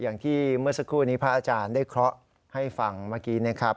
อย่างที่เมื่อสักครู่นี้พระอาจารย์ได้เคราะห์ให้ฟังเมื่อกี้นะครับ